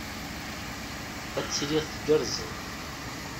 Ad tiliḍ tgerrzeḍ.